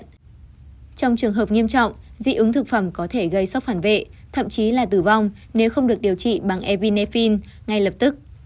trong trường hợp nghiêm trọng dị ứng thực phẩm có thể gây sốc phản vệ thậm chí là tử vong nếu không được điều trị bằng evinaphine ngay lập tức